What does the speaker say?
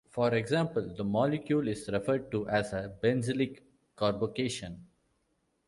For example, the molecule, is referred to as a "benzylic" carbocation.